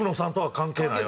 関係ない？